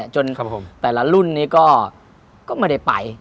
จนแต่ละรุ่นนี้ก็ไม่ได้ไป